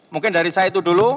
mungkin dari saya itu dulu